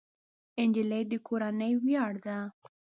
نجلۍ د کورنۍ ویاړ ده.